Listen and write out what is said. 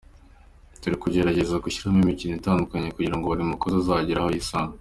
Turi kugerageza gushyiramo imikino itandukanye kugira ngo buri mukozi azagire aho yisanga.